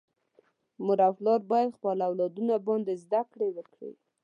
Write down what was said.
مور او پلار باید خپل اولادونه باندي زده کړي وکړي.